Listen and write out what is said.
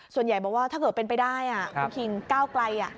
ส่วนใหญ่บอกว่าถ้าเกิดเป็นไปได้คุณคิงก้าวไกล